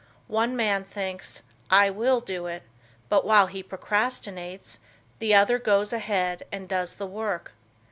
One man thinks "I will do it," but while he procrastinates the other goes ahead and does the work.